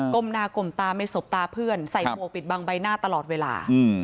มหน้าก้มตาไม่สบตาเพื่อนใส่หมวกปิดบังใบหน้าตลอดเวลา